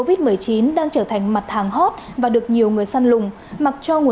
bên bạn có số hoa hốt lượng lớn không